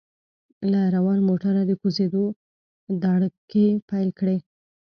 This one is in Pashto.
له روان موټره د کوزیدو دړکې پېل کړې.